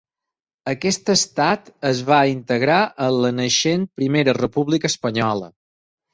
Aquest estat es va integrar en la naixent primera república espanyola.